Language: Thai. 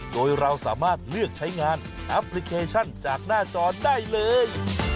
โดยเราสามารถเลือกใช้งานแอปพลิเคชันจากหน้าจอได้เลย